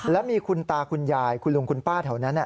แล้วมีคุณตาคุณยายคุณลุงคุณป้าแถวนั้น